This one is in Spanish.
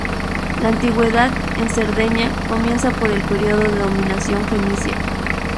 La antigüedad en Cerdeña comienza por el período de dominación fenicia.